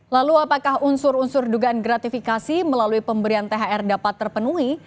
lalu apakah unsur unsur dugaan gratifikasi melalui pemberian thr dapat terpenuhi